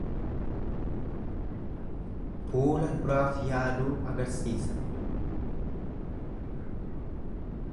Fuula duraaf yaaduu agarsiisa.